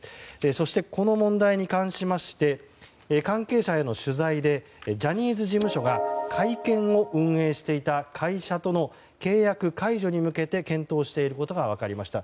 そして、この問題に関しまして関係者への取材でジャニーズ事務所が会見を運営していた会社との契約解除に向けて検討していることが分かりました。